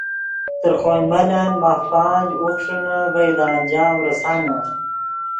تر خوئے ملن ماف پانچ، اوخݰینے ڤئے دے انجام ریسانے